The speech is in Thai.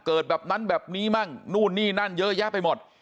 แบบนั้นแบบนี้มั่งนู่นนี่นั่นเยอะแยะไปหมด